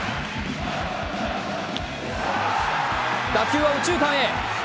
打球は右中間へ。